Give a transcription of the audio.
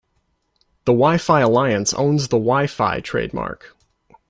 The Wi-Fi Alliance owns the "Wi-Fi" trademark.